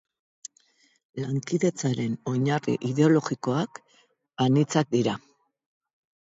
Lankidetzaren oinarri ideologikoak anitzak dira.